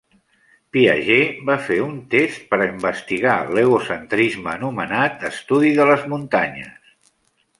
Piaget va fer un test per investigar l'egocentrisme anomenat "estudi de les muntanyes".